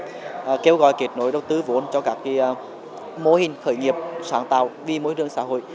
và kêu gọi kết nối đầu tư vốn cho các mô hình khởi nghiệp sáng tạo vì môi trường xã hội